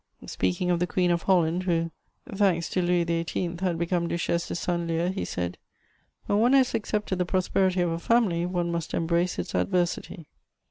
Speaking of the Queen of Holland, who, thanks to Louis XVIII., had become Duchesse de Saint Leu, he said: "When one has accepted the prosperity of a family, one must embrace its adversity."